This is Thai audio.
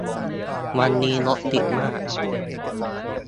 วันนี้รถติดมาก